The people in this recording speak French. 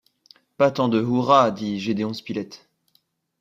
Pas tant de hurrahs dit Gédéon Spilett